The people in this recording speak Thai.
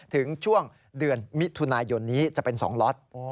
ถึงช่วงเดือนมิถุนายนนี้จะเป็น๒ล็อต